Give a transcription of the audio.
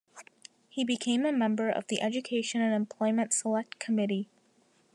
He became a Member of the Education and Employment Select Committee.